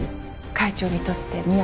会長にとってみ